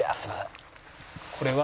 これは？